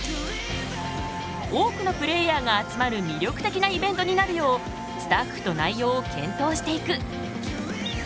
多くのプレーヤーが集まる魅力的なイベントになるようスタッフと内容を検討していく。